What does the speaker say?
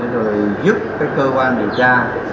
giúp cơ quan điều tra